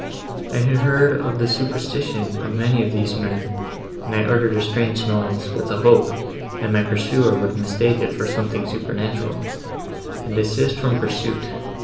I had heard of the superstition of many of these men, and I uttered a strange noise, with a hope, that my pursuer would mistake it for something supernatural, and desist from pursuit.